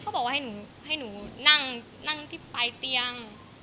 เขาบอกให้หนูนั่งที่ปลายเตียง